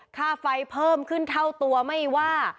ค่าไฟเพิ่มขึ้นเท่าตัวไม่ว่า